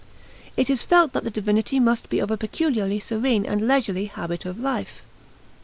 It is felt that the divinity must be of a peculiarly serene and leisurely habit of life.